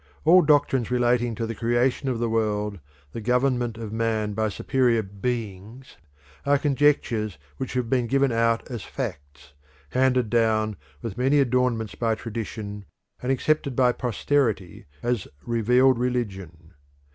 All doctrines relating to the creation of the world, the government of man by superior being, and his destiny after death, are conjectures which have been given out as facts, handed down with many adornments by tradition, and accepted by posterity as "revealed religion."